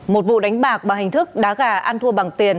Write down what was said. một vụ đánh bạc bằng hình thức đá gà ăn thua bằng tiền